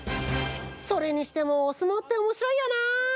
それにしてもおすもうっておもしろいよな。